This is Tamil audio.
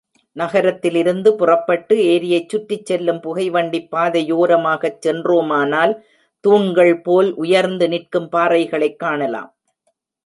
நகரத்திலிருந்து புறப்பட்டு, ஏரியைச் சுற்றிச் செல்லும் புகைவண்டிப் பாதையோரமாகச் சென்றோமானால், தூண்கள் போல் உயர்ந்து நிற்கும் பாறைகளைக் காணலாம்.